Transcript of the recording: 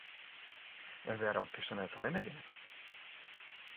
En wêrom kinsto net allinnich gean?